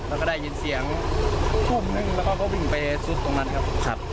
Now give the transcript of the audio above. แล้วก็ได้ยินเสียงตุ้มหนึ่งแล้วก็เขาวิ่งไปซุดตรงนั้นครับครับ